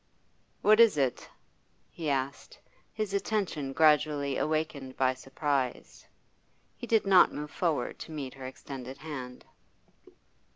'What is it?' he asked, his attention gradually awakened by surprise. He did not move forward to meet her extended hand.